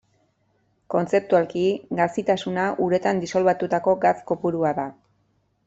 Kontzeptualki gazitasuna uretan disolbatutako gatz kopurua da.